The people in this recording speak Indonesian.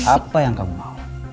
apa yang kamu mau